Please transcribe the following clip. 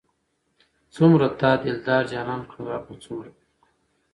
څومره تا دلدار جانان کړم رب څومره